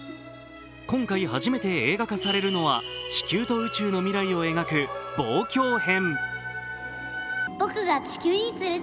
今回初めて映画化されるのは地球と宇宙の未来を描く「望郷編」。